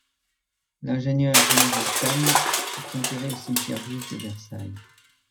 L'ingénieur général Kahn est enterré au cimetière juif de Versailles.